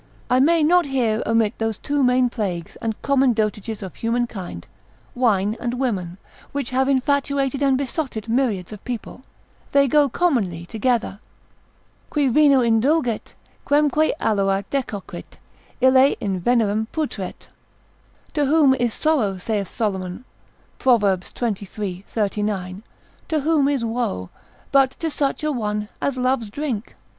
I may not here omit those two main plagues, and common dotages of human kind, wine and women, which have infatuated and besotted myriads of people; they go commonly together. Qui vino indulget, quemque aloa decoquit, ille In venerem putret——— To whom is sorrow, saith Solomon, Pro. xxiii. 39, to whom is woe, but to such a one as loves drink?